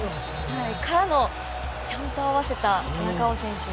からの、ちゃんと合わせた田中碧選手。